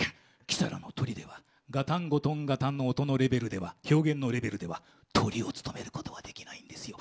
キサラのトリではガタンゴトンの音の表現のレベルではトリを務めることはできないんですよ。